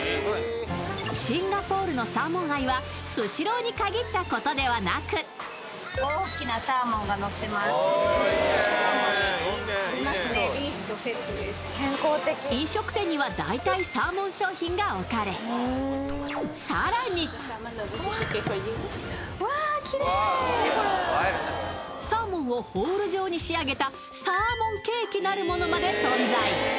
シンガポールのサーモン愛はスシローに限ったことではなく飲食店には大体サーモン商品が置かれ、更にサーモンをホール状に仕上げたサーモンケーキなるものまで存在。